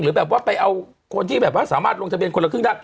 แบบว่าไปเอาคนที่แบบว่าสามารถลงทะเบียนคนละครึ่งได้